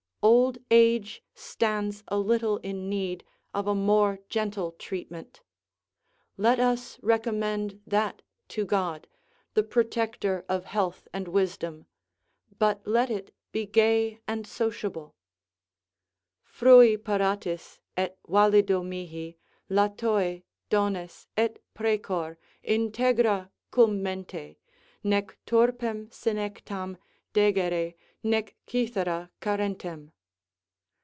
Old age stands a little in need of a more gentle treatment. Let us recommend that to God, the protector of health and wisdom, but let it be gay and sociable: "Frui paratis et valido mihi Latoe, dones, et precor, integra Cum mente; nec turpem senectam Degere, nec Cithara carentem."